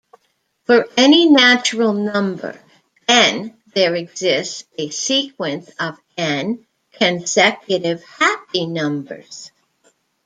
For any natural number "n", there exists a sequence of "n" consecutive happy numbers.